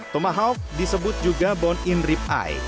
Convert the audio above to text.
tomahawk disebut juga bone in rib eye